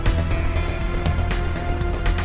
dan kayaknya di youtube salah peluang aku